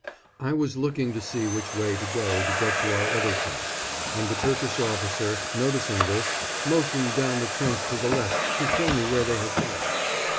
I was looking to see which way to go to get to our other chaps, and the Turkish officer, noticing this, motioned down the trench to the left to show me where they had gone.